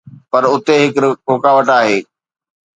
پر اتي هڪ رڪاوٽ آهي.